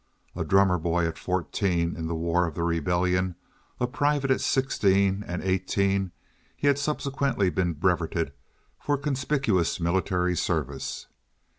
A drummer boy at fourteen in the War of the Rebellion, a private at sixteen and eighteen, he had subsequently been breveted for conspicuous military service.